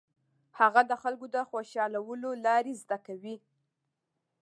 هغه د خلکو د خوشالولو لارې زده کوي.